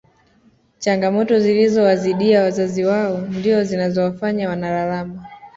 Changamoto zilizo wazidia wazazi wao ndizo zinawafanya wanalalama